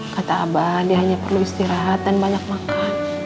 kata abah dia hanya perlu istirahat dan banyak makan